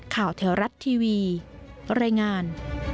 ข่าวแถวรัฐทีวีรายงาน